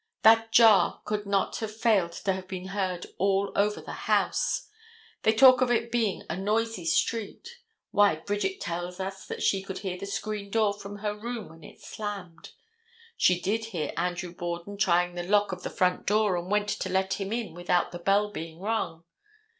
That jar could not have failed to have been heard all over that house. They talk about its being a noisy street. Why, Bridget tells us that she could hear the screen door from her room when it slammed. She did hear Andrew Borden trying the lock of the front door and went to let him in without the bell being rung.